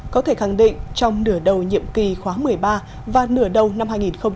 có thể khẳng định trong nửa đầu nhiệm kỳ khóa một mươi ba và nửa đầu năm hai nghìn hai mươi